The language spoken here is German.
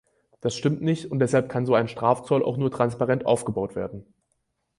Das stimmt nicht, und deshalb kann so ein Strafzoll auch nur transparent aufgebaut werden.